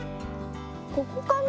ここかな？